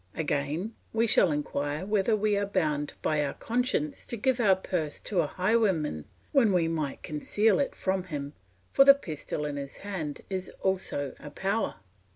Again, we shall inquire whether we are bound by our conscience to give our purse to a highwayman when we might conceal it from him, for the pistol in his hand is also a power.